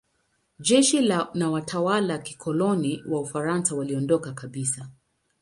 Jeshi na watawala wa kikoloni wa Ufaransa waliondoka kabisa.